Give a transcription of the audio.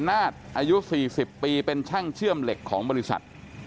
นาศอายุ๔๐ปีเป็นช่างเชื่อมเหล็กของบริษัท